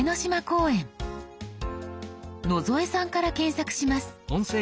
野添さんから検索します。